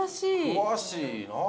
詳しいなあ。